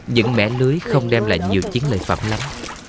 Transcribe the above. những mẻ lưới không đem lại nhiều chiến lợi phẩm lắm